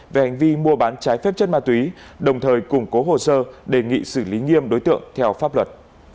về hành vi mua bán trái phép chất ma túy đồng thời củng cố hồ sơ đề nghị xử lý nghiêm đối tượng theo pháp luật